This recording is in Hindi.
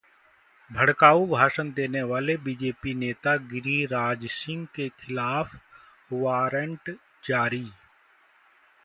भड़काऊ भाषण देने वाले बीजेपी नेता गिरिराज सिंह के खिलाफ वारंट जारी